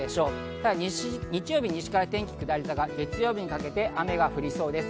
ただ日曜日、西から天気が下り坂、月曜日にかけて雨が降りそうです。